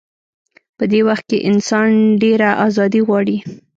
په دې وخت کې انسان ډېره ازادي غواړي.